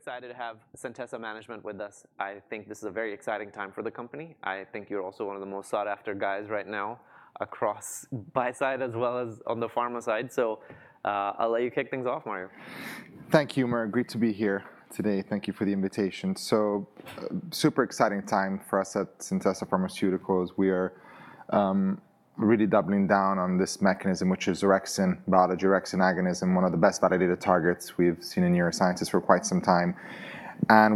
Excited to have Centessa Management with us. I think this is a very exciting time for the company. I think you're also one of the most sought-after guys right now across buy-side as well as on the pharma side. So I'll let you kick things off, Mario. Thank you. Great to be here today. Thank you for the invitation. Super exciting time for us at Centessa Pharmaceuticals. We are really doubling down on this mechanism, which is orexin biology, orexin agonism, one of the best validated targets we've seen in neurosciences for quite some time.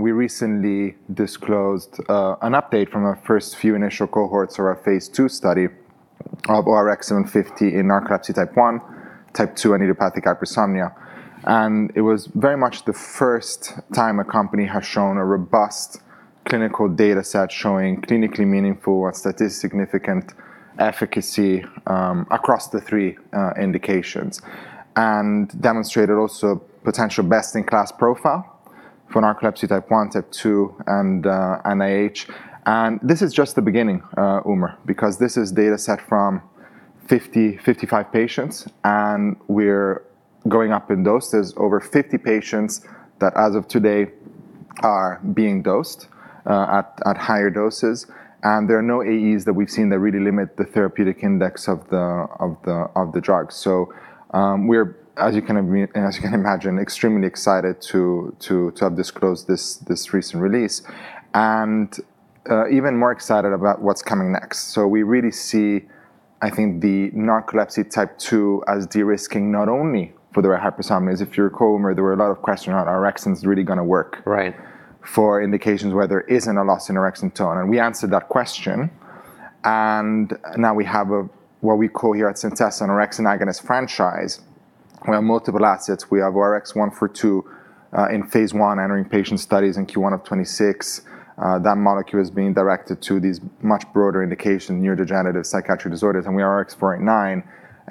We recently disclosed an update from our first few initial cohorts of our Phase II study of ORX750 in Narcolepsy type 1, type 2, and idiopathic hypersomnia. It was very much the first time a company has shown a robust clinical data set showing clinically meaningful and statistically significant efficacy across the three indications and demonstrated also potential best-in-class profile for Narcolepsy type 1, type 2, and IH. This is just the beginning, Umer, because this is data set from 50, 55 patients, and we're going up in doses. Over 50 patients that, as of today, are being dosed at higher doses, and there are no AEs that we've seen that really limit the therapeutic index of the drug, so we're, as you can imagine, extremely excited to have disclosed this recent release and even more excited about what's coming next, so we really see, I think, the Narcolepsy type 2 as de-risking not only for the idiopathic hypersomnia. As if you recall, Umer, there were a lot of questions on orexin is really going to work for indications where there isn't a loss in orexin tone, and we answered that question, and now we have what we call here at Centessa an Orexin Agonist franchise. We have multiple assets. We have ORX142 in Phase I entering patient studies in Q1 of 2026. That molecule is being directed to these much broader indications, neurodegenerative psychiatric disorders. We are ORX489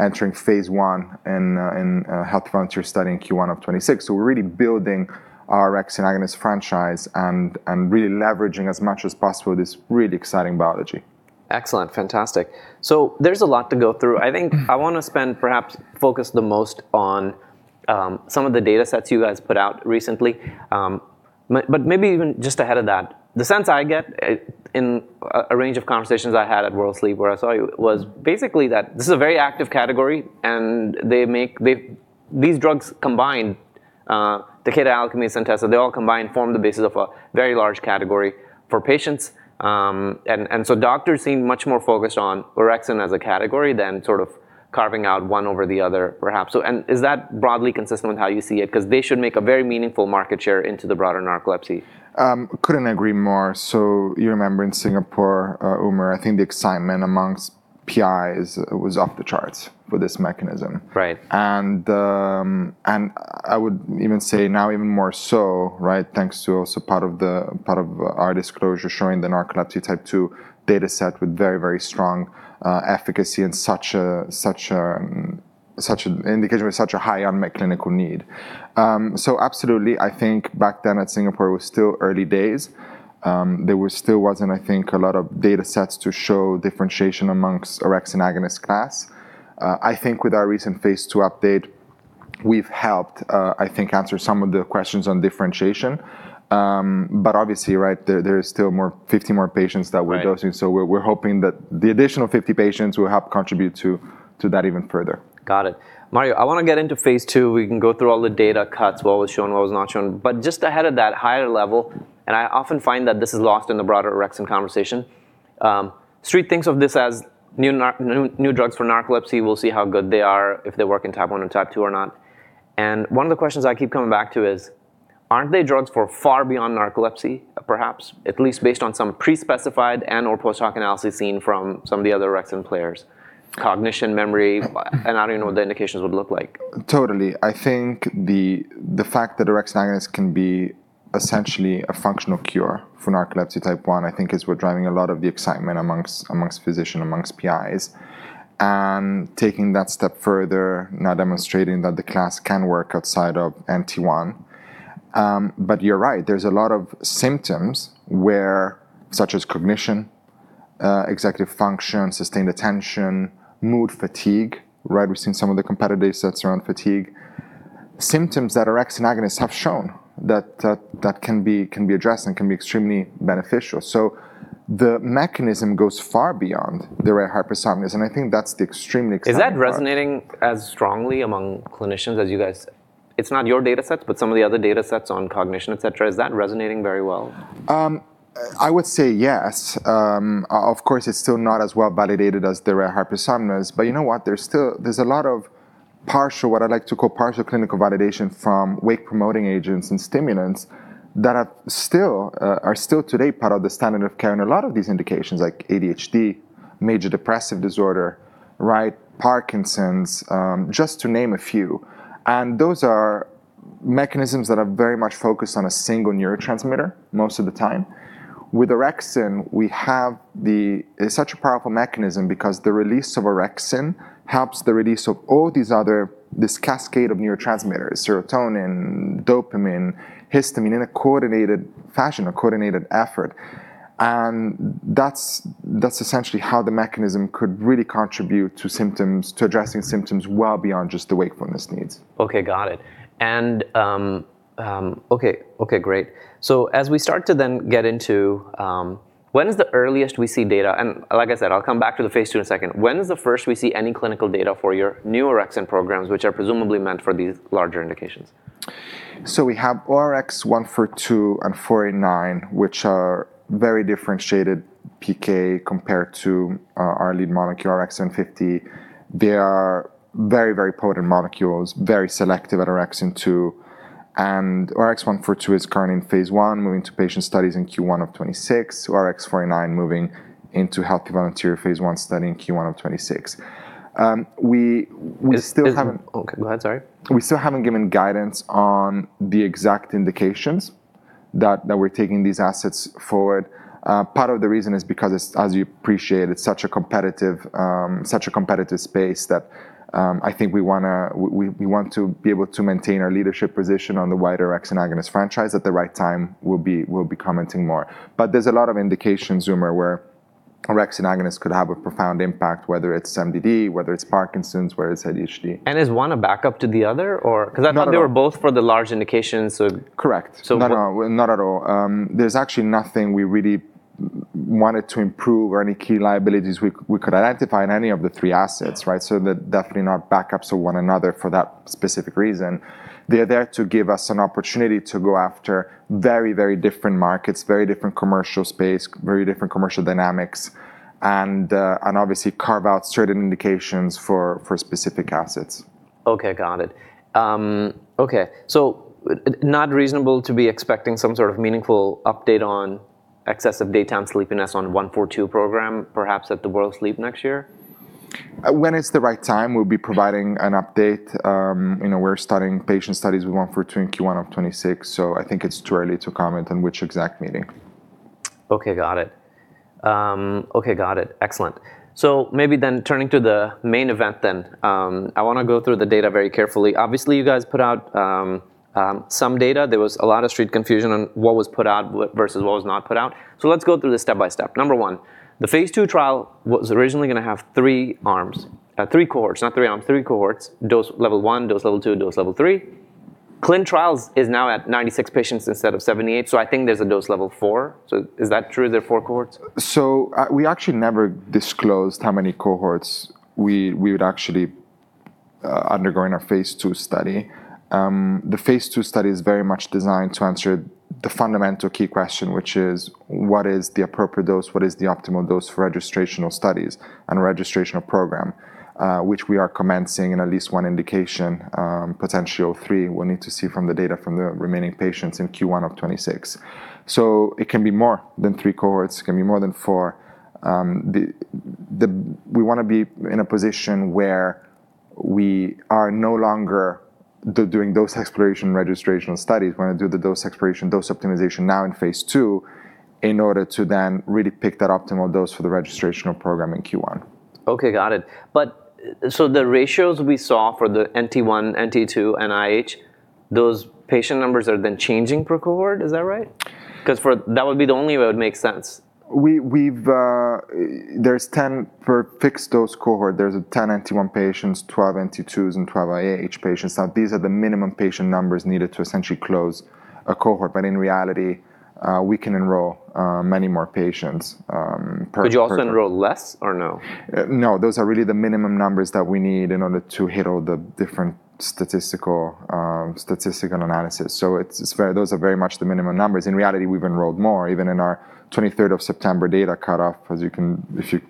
entering Phase I in healthy volunteer study in Q1 of 2026. We're really building our Orexin Agonist franchise and really leveraging as much as possible this really exciting biology. Excellent. Fantastic. So there's a lot to go through. I think I want to spend perhaps focus the most on some of the data sets you guys put out recently. But maybe even just ahead of that, the sense I get in a range of conversations I had at World Sleep, where I saw you, was basically that this is a very active category. And these drugs combined, Takeda Alkermes and Centessa, they all combined form the basis of a very large category for patients. And so doctors seem much more focused on orexin as a category than sort of carving out one over the other, perhaps. And is that broadly consistent with how you see it? Because they should make a very meaningful market share into the broader Narcolepsy. Couldn't agree more. So you remember in Singapore, Umer, I think the excitement among PIs was off the charts for this mechanism. And I would even say now even more so, thanks to also part of our disclosure showing the Narcolepsy Type 2 data set with very, very strong efficacy and such an indication with such a high unmet clinical need. So absolutely, I think back then at Singapore, it was still early days. There still wasn't, I think, a lot of data sets to show differentiation among Orexin Agonist class. I think with our recent Phase II update, we've helped, I think, answer some of the questions on differentiation. But obviously, there are still 50 more patients that we're dosing. So we're hoping that the additional 50 patients will help contribute to that even further. Got it. Mario, I want to get into Phase II. We can go through all the data cuts, what was shown, what was not shown. But just ahead of that, higher level, and I often find that this is lost in the broader orexin conversation. Street thinks of this as new drugs for Narcolepsy. We'll see how good they are, if they work in type 1 and type 2 or not. And one of the questions I keep coming back to is, aren't they drugs for far beyond Narcolepsy, perhaps, at least based on some pre-specified and/or post-hoc analysis seen from some of the other orexin players? Cognition, memory, and I don't even know what the indications would look like. Totally. I think the fact that Orexin Agonist can be essentially a functional cure for Narcolepsy Type 1, I think, is what's driving a lot of the excitement among physicians, among PIs. And taking that step further, now demonstrating that the class can work outside of NT1. But you're right, there's a lot of symptoms where, such as cognition, executive function, sustained attention, mood, fatigue. We've seen some of the competitive sets around fatigue. Symptoms that Orexin Agonists have shown that can be addressed and can be extremely beneficial. So the mechanism goes far beyond idiopathic hypersomnia. And I think that's the extremely exciting part. Is that resonating as strongly among clinicians as you guys? It's not your data sets, but some of the other data sets on cognition, et cetera. Is that resonating very well? I would say yes. Of course, it's still not as well validated as idiopathic hypersomnia. But you know what? There's a lot of partial, what I like to call partial clinical validation from wake-promoting agents and stimulants that are still today part of the standard of care in a lot of these indications, like ADHD, major depressive disorder, Parkinson's, just to name a few. And those are mechanisms that are very much focused on a single neurotransmitter most of the time. With orexin, we have such a powerful mechanism because the release of orexin helps the release of all these other, this cascade of neurotransmitters, serotonin, dopamine, histamine in a coordinated fashion, a coordinated effort. And that's essentially how the mechanism could really contribute to addressing symptoms well beyond just the wakefulness needs. OK, got it. OK, great. So as we start to then get into, when is the earliest we see data? And like I said, I'll come back to the Phase II in a second. When is the first we see any clinical data for your new orexin programs, which are presumably meant for these larger indications? So we have ORX142 and ORX489, which are very differentiated PK compared to our lead molecule, ORX750. They are very, very potent molecules, very selective at orexin 2. And ORX142 is currently in Phase I, moving to patient studies in Q1 of 2026. ORX489 moving into healthy volunteer Phase I study in Q1 of 2026. We still haven't. Go ahead, sorry. We still haven't given guidance on the exact indications that we're taking these assets forward. Part of the reason is because, as you appreciate, it's such a competitive space that I think we want to be able to maintain our leadership position on the wider Orexin Agonist franchise at the right time. We'll be commenting more. But there's a lot of indications, Umer, where Orexin Agonists could have a profound impact, whether it's MDD, whether it's Parkinson's, whether it's ADHD. Is one a backup to the other? Because I thought they were both for the large indications. Correct. Not at all. There's actually nothing we really wanted to improve or any key liabilities we could identify in any of the three assets. So they're definitely not backups of one another for that specific reason. They're there to give us an opportunity to go after very, very different markets, very different commercial space, very different commercial dynamics, and obviously carve out certain indications for specific assets. OK, got it. OK, so not reasonable to be expecting some sort of meaningful update on excessive daytime sleepiness on 142 program, perhaps at the World Sleep next year? When it's the right time, we'll be providing an update. We're starting patient studies with 142 in Q1 of 2026. So I think it's too early to comment on which exact meeting. OK, got it. OK, got it. Excellent. So maybe then turning to the main event, then I want to go through the data very carefully. Obviously, you guys put out some data. There was a lot of Street confusion on what was put out versus what was not put out. So let's go through this step by step. Number one, the Phase II trial was originally going to have three arms, three cohorts, not three arms, three cohorts, dose level one, dose level two, dose level three. Clinical trial is now at 96 patients instead of 78. So I think there's a dose level four. So is that true? Is there four cohorts? We actually never disclosed how many cohorts we would actually undergo in our Phase II study. The Phase II study is very much designed to answer the fundamental key question, which is, what is the appropriate dose? What is the optimal dose for registrational studies and registrational program, which we are commencing in at least one indication, potentially all three. We'll need to see from the data from the remaining patients in Q1 of 2026. So it can be more than three cohorts. It can be more than four. We want to be in a position where we are no longer doing dose exploration registrational studies. We want to do the dose exploration, dose optimization now in Phase II in order to then really pick that optimal dose for the registrational program in Q1. OK, got it. But so the ratios we saw for the NT1, NT2, IH, those patient numbers are then changing per cohort. Is that right? Because that would be the only way it would make sense. are 10 per fixed dose cohort. There are 10 NT1 patients, 12 NT2s, and 12 IH patients. Now, these are the minimum patient numbers needed to essentially close a cohort. But in reality, we can enroll many more patients per cohort. Could you also enroll less or no? No, those are really the minimum numbers that we need in order to hit all the different statistical analysis. So those are very much the minimum numbers. In reality, we've enrolled more, even in our 23rd of September data cutoff. As you can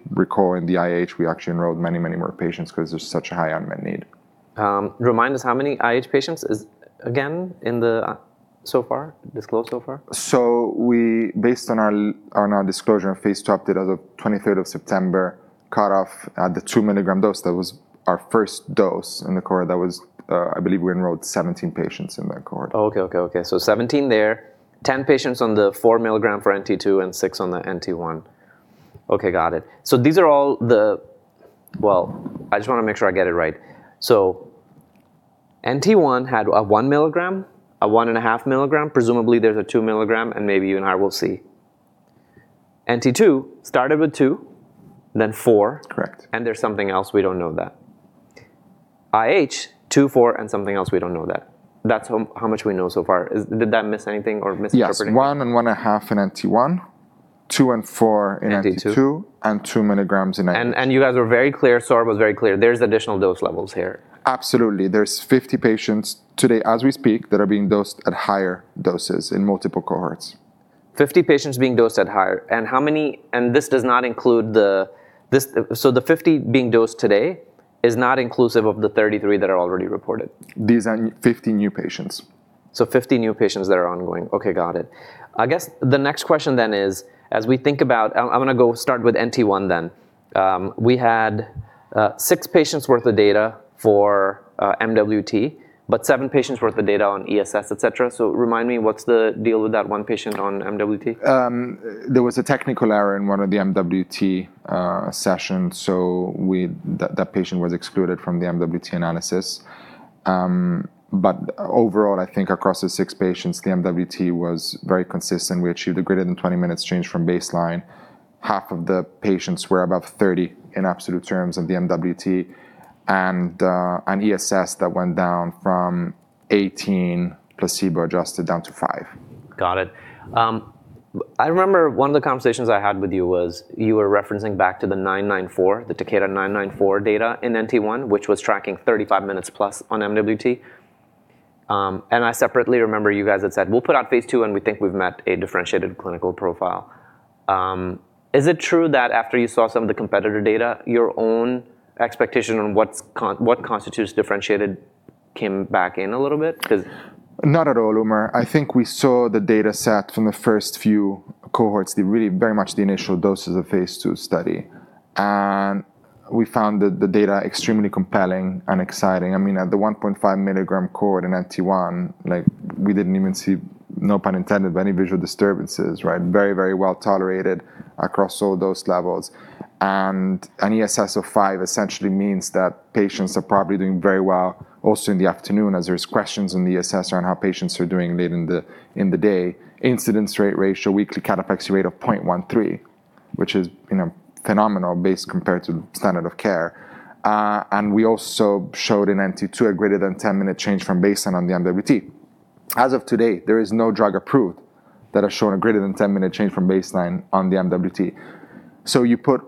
recall, in the IH, we actually enrolled many, many more patients because there's such a high unmet need. Remind us, how many IH patients is again so far disclosed? Based on our disclosure on Phase II update as of 23rd of September, cutoff at the 2 mg dose, that was our first dose in the cohort. I believe we enrolled 17 patients in that cohort. OK. So 17 there, 10 patients on the four milligram for NT2, and six on the NT1. OK, got it. So these are all the, well, I just want to make sure I get it right. So NT1 had a one milligram, a one and one-half milligram. Presumably, there's a two milligram, and maybe you and I will see. NT2 started with two, then four. Correct. And there's something else. We don't know that. IH, two,, and something else. We don't know that. That's how much we know so far. Did that miss anything or misinterpret? Yes, one and one and one-half in NT1, two and four in NT2, and two milligrams in NT1. You guys were very clear. Saurabh was very clear. There's additional dose levels here. Absolutely. There's 50 patients today, as we speak, that are being dosed at higher doses in multiple cohorts. 50 patients being dosed at higher, and this does not include, so the 50 being dosed today is not inclusive of the 33 that are already reported. These are 50 new patients. So, 50 new patients that are ongoing. OK, got it. I guess the next question then is, as we think about, I'm going to go start with NT1 then. We had six patients' worth of data for MWT, but seven patients' worth of data on ESS, et cetera. So, remind me, what's the deal with that one patient on MWT? There was a technical error in one of the MWT sessions, so that patient was excluded from the MWT analysis, but overall, I think across the six patients, the MWT was very consistent. We achieved a greater than 20 minutes change from baseline. Half of the patients were above 30 in absolute terms of the MWT, and an ESS that went down from 18, placebo adjusted, down to 5. Got it. I remember one of the conversations I had with you was you were referencing back to the 994, the Takeda 994 data in NT1, which was tracking 35 minutes plus on MWT, and I separately remember you guys had said, we'll put out Phase two, and we think we've met a differentiated clinical profile. Is it true that after you saw some of the competitor data, your own expectation on what constitutes differentiated came back in a little bit? Not at all, Umer. I think we saw the data set from the first few cohorts, really very much the initial doses of Phase two study. And we found the data extremely compelling and exciting. I mean, at the 1.5 mg cohort in NT1, we didn't even see, no pun intended, but any visual disturbances. Very, very well tolerated across all dose levels. And an ESS of 5 essentially means that patients are probably doing very well also in the afternoon as there's questions in the ESS around how patients are doing late in the day. Incidence rate ratio, weekly cut-off accuracy rate of 0.13, which is phenomenal based compared to standard of care. And we also showed in NT2 a greater than 10 minute change from baseline on the MWT. As of today, there is no drug approved that has shown a greater than 10-minute change from baseline on the MWT, so you put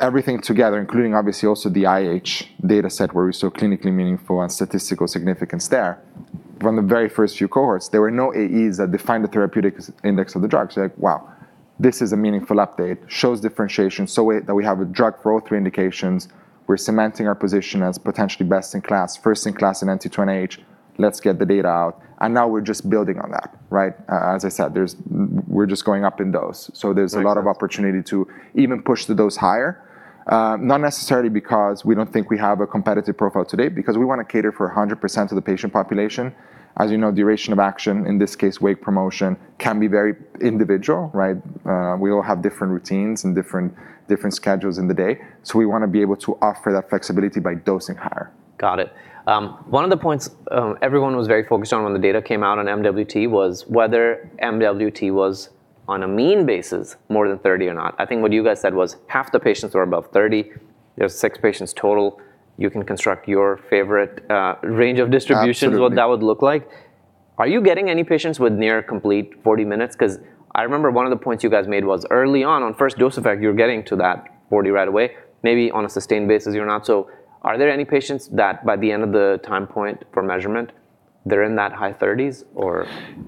everything together, including obviously also the IH data set where we saw clinically meaningful and statistical significance there. From the very first few cohorts, there were no AEs that defined the therapeutic index of the drugs. We're like, wow, this is a meaningful update. Shows differentiation so that we have a drug for all three indications. We're cementing our position as potentially best in class, first in class in NT2 and IH. Let's get the data out and now we're just building on that. As I said, we're just going up in dose, so there's a lot of opportunity to even push the dose higher. Not necessarily because we don't think we have a competitive profile today, because we want to cater for 100% of the patient population. As you know, duration of action, in this case, wake promotion, can be very individual. We all have different routines and different schedules in the day, so we want to be able to offer that flexibility by dosing higher. Got it. One of the points everyone was very focused on when the data came out on MWT was whether MWT was on a mean basis more than 30 or not. I think what you guys said was half the patients were above 30. There's six patients total. You can construct your favorite range of distributions, what that would look like. Are you getting any patients with near complete 40 minutes? Because I remember one of the points you guys made was early on, on first dose effect, you're getting to that 40 right away. Maybe on a sustained basis, you're not. So are there any patients that by the end of the time point for measurement, they're in that high 30s?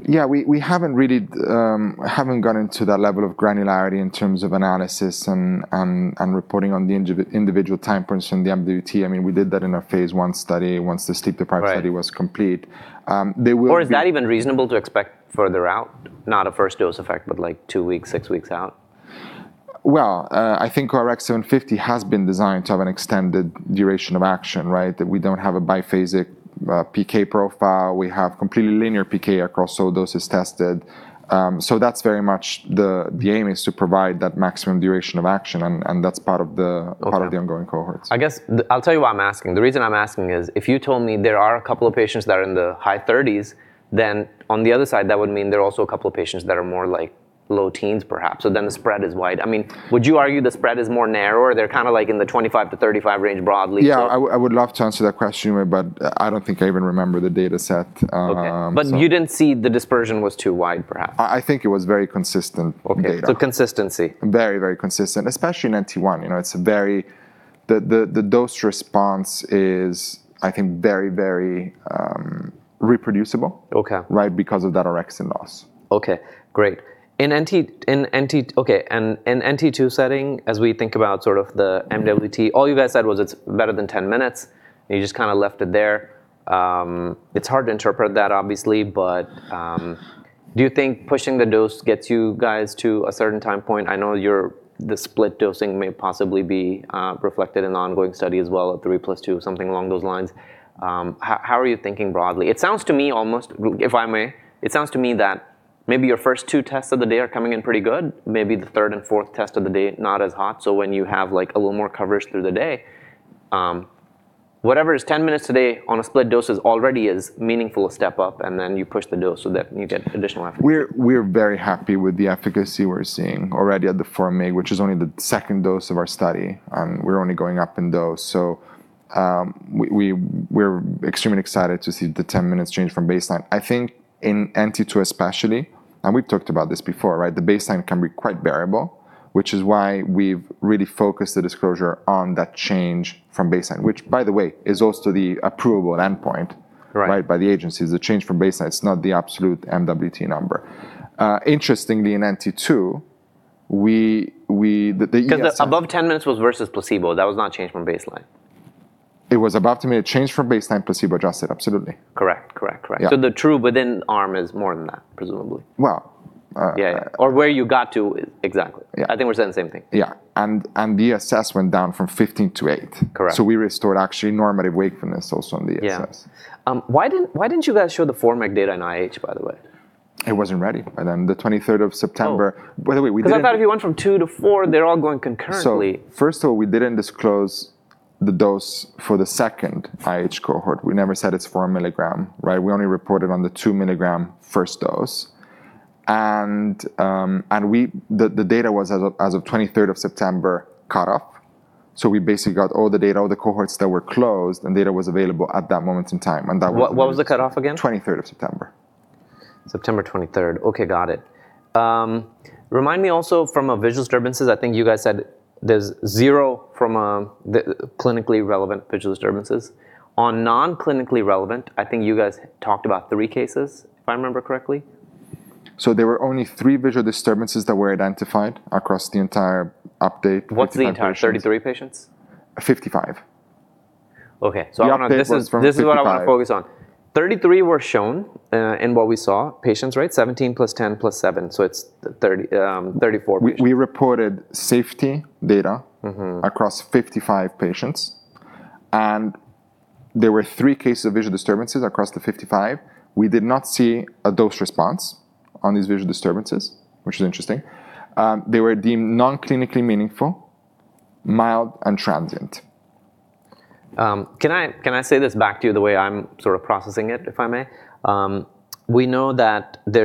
Yeah, we haven't really gone into that level of granularity in terms of analysis and reporting on the individual time points in the MWT. I mean, we did that in our Phase one study once the sleep department study was complete. Or is that even reasonable to expect further out, not a first dose effect, but like two weeks, six weeks out? I think our ORX750 has been designed to have an extended duration of action. We don't have a biphasic PK profile. We have completely linear PK across all doses tested. That's very much the aim is to provide that maximum duration of action. That's part of the ongoing cohorts. I guess I'll tell you why I'm asking. The reason I'm asking is if you told me there are a couple of patients that are in the high 30s, then on the other side, that would mean there are also a couple of patients that are more like low teens, perhaps. So then the spread is wide. I mean, would you argue the spread is more narrow? Or they're kind of like in the 25-35 range broadly? Yeah, I would love to answer that question, Umer, but I don't think I even remember the data set. But you didn't see the dispersion was too wide, perhaps. I think it was very consistent data. OK, so consistency. Very, very consistent, especially in NT1. The dose response is, I think, very, very reproducible because of that orexin loss. OK, great. In NT2 setting, as we think about sort of the MWT, all you guys said was it's better than 10 minutes. You just kind of left it there. It's hard to interpret that, obviously. But do you think pushing the dose gets you guys to a certain time point? I know the split dosing may possibly be reflected in the ongoing study as well, at 3 plus 2, something along those lines. How are you thinking broadly? It sounds to me almost, if I may, it sounds to me that maybe your first two tests of the day are coming in pretty good. Maybe the third and fourth test of the day, not as hot. So when you have a little more coverage through the day, whatever is 10 minutes today on a split dose is already a meaningful step up. And then you push the dose so that you get additional efficacy. We're very happy with the efficacy we're seeing already at the 4 mg, which is only the second dose of our study, and we're only going up in dose, so we're extremely excited to see the 10 minutes change from baseline. I think in NT2 especially, and we've talked about this before, the baseline can be quite variable, which is why we've really focused the disclosure on that change from baseline, which, by the way, is also the approval endpoint by the agencies. The change from baseline is not the absolute MWT number. Interestingly, in NT2, we. Because above 10 minutes was versus placebo. That was not changed from baseline. It was above 10 minutes changed from baseline placebo adjusted. Absolutely. Correct, correct, correct. So the true within arm is more than that, presumably. Well. Or, where you got to exactly? I think we're saying the same thing. Yeah. And the ESS went down from 15-8. So we restored actually normative wakefulness also on the ESS. Why didn't you guys show the 4 mg data in IH, by the way? It wasn't ready by then, the 23rd of September. By the way, we didn't. Because I thought if you went from 2-4, they're all going concurrently. First of all, we didn't disclose the dose for the second IH cohort. We never said it's 4 mg. We only reported on the 2 mg first dose. And the data was, as of 23rd of September, cut off. We basically got all the data of the cohorts that were closed, and data was available at that moment in time. What was the cut off again? 23rd of September. September 23rd. OK, got it. Remind me also from visual disturbances. I think you guys said there's zero from clinically relevant visual disturbances. On non-clinically relevant, I think you guys talked about three cases, if I remember correctly. There were only three visual disturbances that were identified across the entire update. What's the entire 33 patients? 55. OK, so this is what I want to focus on. 33 were shown in what we saw, patients, right? 17 plus 10 plus 7. So it's 34. We reported safety data across 55 patients. And there were three cases of visual disturbances across the 55. We did not see a dose response on these visual disturbances, which is interesting. They were deemed non-clinically meaningful, mild, and transient. Can I say this back to you the way I'm sort of processing it, if I may? We know that in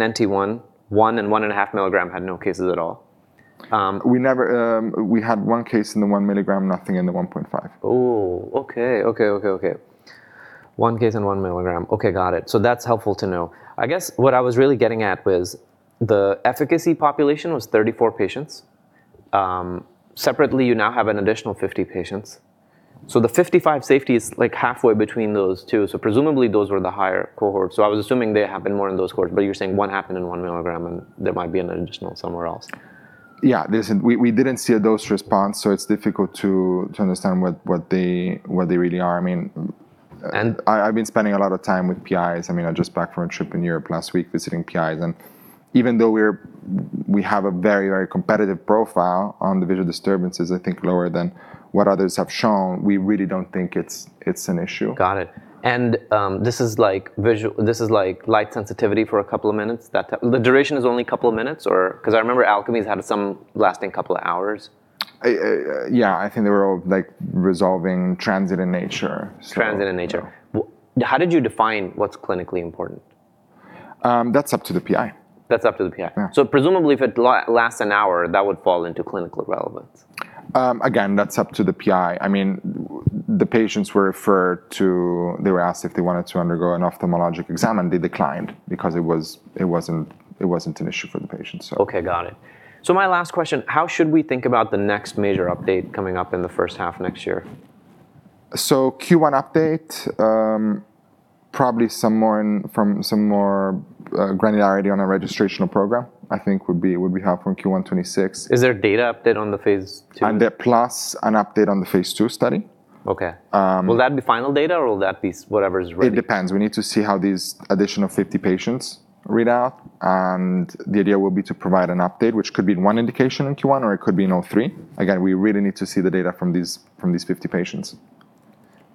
NT1, one and one-half milligram had no cases at all. We had one case in the one milligram, nothing in the 1.5. Oh, OK. One case in one milligram. OK, got it. So that's helpful to know. I guess what I was really getting at was the efficacy population was 34 patients. Separately, you now have an additional 50 patients. So the 55 safety is like halfway between those two. So presumably, those were the higher cohorts. So I was assuming they happened more in those cohorts. But you're saying one happened in one milligram, and there might be an additional somewhere else. Yeah, listen, we didn't see a dose response. So it's difficult to understand what they really are. I mean, I've been spending a lot of time with PIs. I mean, I just came back from a trip in Europe last week visiting PIs. Even though we have a very, very competitive profile on the visual disturbances, I think lower than what others have shown, we really don't think it's an issue. Got it. And this is like light sensitivity for a couple of minutes? The duration is only a couple of minutes? Because I remember Alkermes's had some lasting couple of hours. Yeah, I think they were all resolving, transient in nature. Transient in nature. How did you define what's clinically important? That's up to the PI. That's up to the PI. So presumably, if it lasts an hour, that would fall into clinical relevance. Again, that's up to the PI. I mean, the patients were referred to, they were asked if they wanted to undergo an ophthalmologic exam, and they declined because it wasn't an issue for the patients. OK, got it. So my last question, how should we think about the next major update coming up in the first half of next year? So Q1 update, probably some more granularity on our registrational program, I think would be helpful in Q1 2026. Is there a data update on the Phase two? Plus an update on the Phase two study. OK. Will that be final data, or will that be whatever's ready? It depends. We need to see how these additional 50 patients read out. And the idea will be to provide an update, which could be in one indication in Q1, or it could be in all three. Again, we really need to see the data from these 50 patients.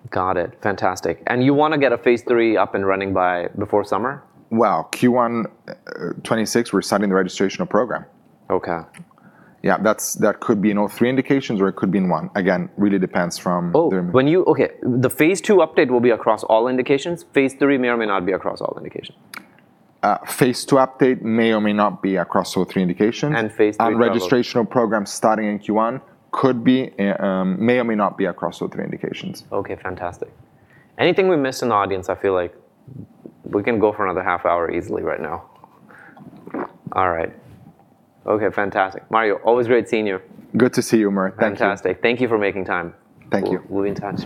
Got it. Fantastic. And you want to get a Phase 3 up and running by, before summer? Q1 2026, we're starting the registrational program. OK. Yeah, that could be in all three indications, or it could be in one. Again, really depends from. OK, the Phase two update will be across all indications. Phase three may or may not be across all indications. Phase two update may or may not be across all three indications. Phase three may or may not. Registrational program starting in Q1 could be, may or may not be across all three indications. OK, fantastic. Anything we missed in the audience? I feel like we can go for another half hour easily right now. All right. OK, fantastic. Mario, always great seeing you. Good to see you, Umer. Thank you. Fantastic. Thank you for making time. Thank you. We'll be in touch.